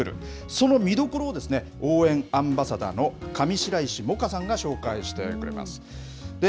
その見どころを応援アンバサダーの上白石萌歌さんが紹介してくれます。